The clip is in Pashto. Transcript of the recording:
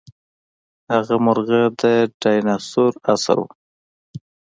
هغه مرغه د ډاینسور عصر وو.